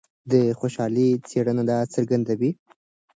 د خوشحالۍ څېړنې دا څرګندوي.